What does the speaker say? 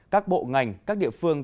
các bộ ngành các địa phương